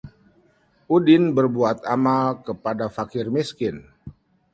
Udin berbuat amal kepada fakir miskin;